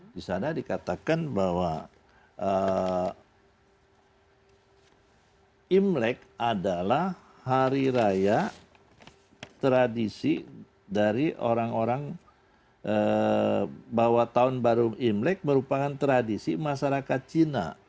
di sana dikatakan bahwa imlek adalah hari raya tradisi dari orang orang bahwa tahun baru imlek merupakan tradisi masyarakat cina